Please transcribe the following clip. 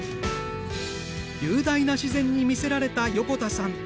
雄大な自然に魅せられた横田さん。